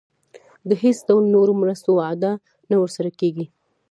د هیڅ ډول نورو مرستو وعده نه ورسره کېږي.